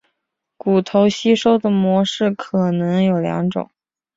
骨头吸收的模式可能有两种。